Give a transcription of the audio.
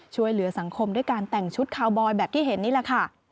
ช่วยเหลือสังคมด้วยการแต่งชุดคาวบอยแบบที่เห็นนี่แหละค่ะ